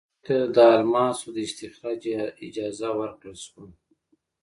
دوی ته د الماسو د استخراج اجازه ورکړل شوه.